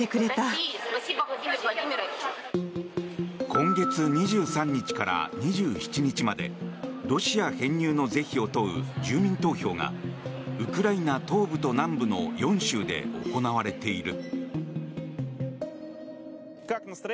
今月２３日から２７日までロシア編入の是非を問う住民投票がウクライナ東部と南部の４州で行われている。